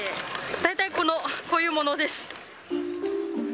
大体、こういうものです。